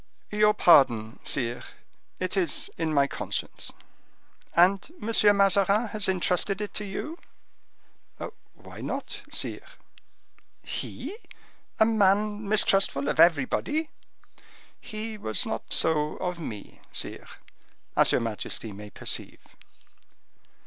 "Your pardon, sire, it is in my conscience." "And Monsieur Mazarin has intrusted it to you?" "Why not, sire?" "He! a man mistrustful of everybody?" "He was not so of me, sire, as your majesty may perceive."